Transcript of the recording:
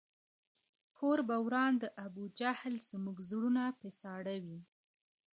کور به وران د ابوجهل زموږ زړونه په ساړه وي